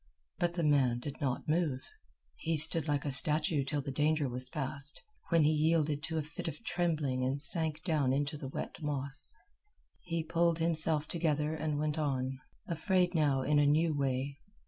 But the man did not move. He stood like a statue till the danger was past, when he yielded to a fit of trembling and sank down into the wet moss. He pulled himself together and went on, afraid now in a new way.